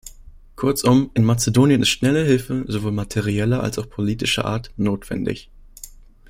Kurzum, in Mazedonien ist schnelle Hilfe, sowohl materieller als auch politischer Art, notwendig.